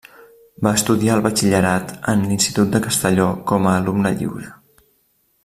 Va estudiar el batxillerat en l'Institut de Castelló com a alumne lliure.